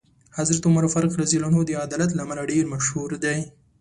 حضرت عمر فاروق رض د عدالت له امله ډېر مشهور دی.